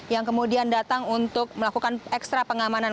yang kemudian datang untuk melakukan ekstra pengamanan